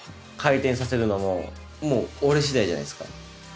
回転させるのももう俺しだいじゃないですか。